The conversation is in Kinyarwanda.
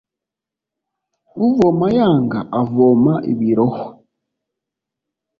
Uvoma yanga avoma ibirohwa.